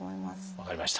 分かりました。